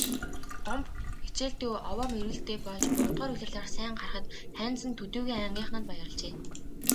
Гомбо хичээлдээ овоо мэрийлттэй болж гуравдугаар улирлаар сайн гарахад Хайнзан төдийгүй ангийнхан нь баярлажээ.